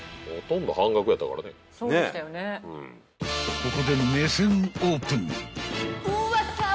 ［ここで目線オープン］